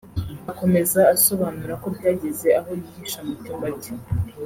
Akomeza asobanura ko byageze aho yihisha mu cyumba cye